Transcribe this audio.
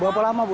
berapa lama bu